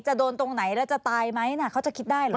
โดนตรงไหนแล้วจะตายไหมเขาจะคิดได้เหรอ